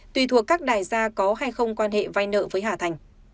tùy thuộc các đại gia có hay không quan hệ vai nợ với hà thành